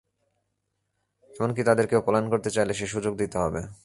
এমন কি তাদের কেউ পলায়ন করতে চাইলে সে সুযোগ দিতে হবে।